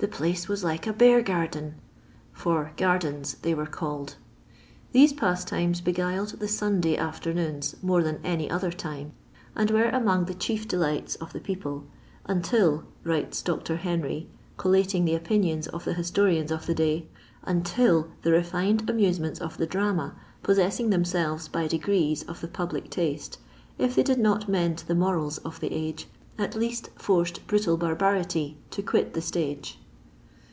''The place was like a bear garden," for •* gardens" they were called. These pastimes beguiled the Sunday afternoons more than any other time, and were among the chief delights of the people, until," writes Dr. Henry, collating the opinions of the historians of the day, " until the refined amusements of the drama, possessing themselves by degrees of the public taste, if they did not mend the morals of the age, at least forced brutal barbari^ to quit the stage."